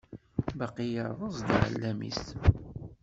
Baqi yerreẓ-d uɛellam-is.